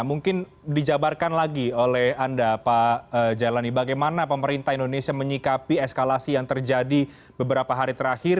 mungkin dijabarkan lagi oleh anda pak jailani bagaimana pemerintah indonesia menyikapi eskalasi yang terjadi beberapa hari terakhir